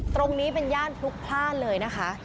ตรงนี้เป็นย่านพลุกพลาดเลยนะคะ